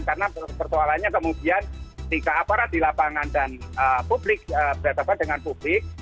karena persoalannya kemudian tiga aparat di lapangan dan publik berhadapan dengan publik